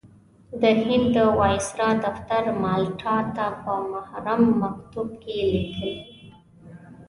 د هند د وایسرا دفتر مالټا ته په محرم مکتوب کې لیکلي.